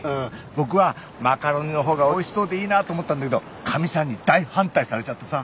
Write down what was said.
僕はマカロニのほうがおいしそうでいいなと思ったんだけどかみさんに大反対されちゃってさ。